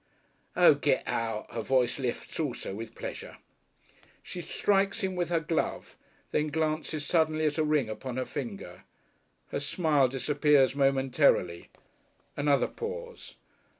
"Oh, get out!" her voice lifts also with pleasure. She strikes at him with her glove, then glances suddenly at a ring upon her finger. Her smile disappears momentarily. Another pause.